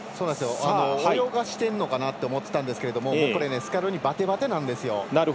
泳がしてるのかなと思ったんですけどスキャローニバテバテなんですよ。